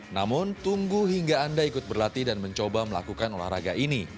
namun tunggu hingga anda ikut berlatih dan mencoba melakukan olahraga ini